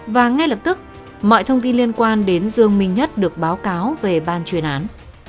và ngay lập tức mọi thông tin liên quan đến dương minh nhất được báo cáo về ban chuyên án